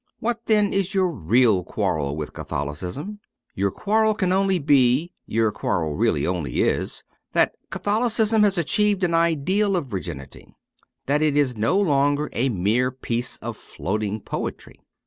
What then is your real quarrel with Catholicism ? Your quarrel can only be, your quarrel really only is, that Catholicism has achieved an ideal of virginity ; that it is no longer a mere piece of floating poetry.